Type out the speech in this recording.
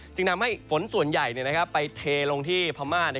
จึงทำให้ฝนส่วนใหญ่ไปเทลงที่พม่า